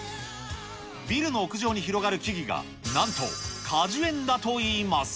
ビルの屋上に広がる木々が、なんと、果樹園だといいます。